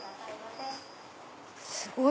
すごい！